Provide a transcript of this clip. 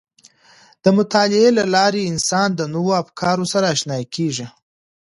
د مطالعې له لارې انسان د نوو افکارو سره آشنا کیږي.